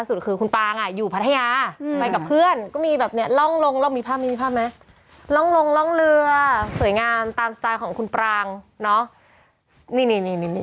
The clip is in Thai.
คู่กันนะคุณนะคงจะดีนอนกันแหละแล้วก็ดีกันแล้วอะไรอย่างนี้